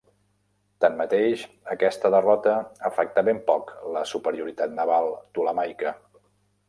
Tanmateix, aquesta derrota afectà ben poc la superioritat naval ptolemaica.